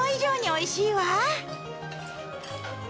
おいしいわ！